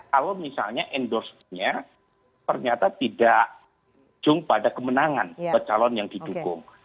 kalau misalnya endorse nya ternyata tidak ujung pada kemenangan calon yang di dukung